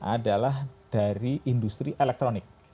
adalah dari industri elektronik